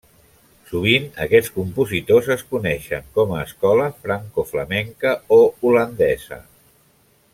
Sovint, aquests compositors es coneixen com a escola francoflamenca o holandesa.